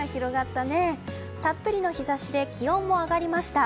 たっぷりの日差しで気温も上がりました。